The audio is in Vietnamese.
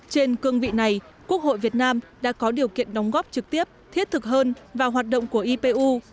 trên cương vị này quốc hội việt nam đã có điều kiện đóng góp trực tiếp thiết thực hơn vào hoạt động của ipu